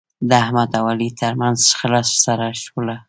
د احمد او علي ترمنځ شخړه سړه شوله.